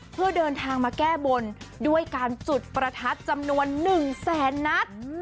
เพื่อเดินทางมาแก้บนด้วยการจุดประทัดจำนวน๑แสนนัด